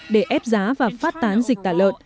để ép giá và phát tán dịch tả lợn